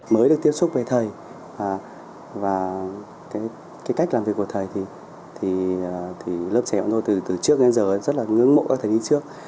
mới được tiếp xúc với thầy và cái cách làm việc của thầy thì lớp trẻ bọn tôi từ trước đến giờ rất là ngưỡng mộ các thầy đi trước